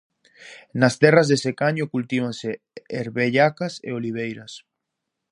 Nas terras de secaño cultívanse ervellacas e oliveiras.